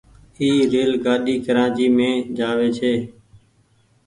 اي ريل گآڏي ڪرآچي مين جآوي ڇي۔